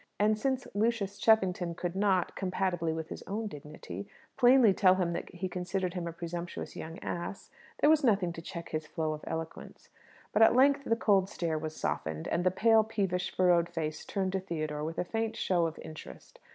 And since Lucius Cheffington could not, compatibly with his own dignity, plainly tell him that he considered him a presumptuous young ass, there was nothing to check his flow of eloquence. But at length the cold stare was softened, and the pale, peevish, furrowed face turned to Theodore with a faint show of interest.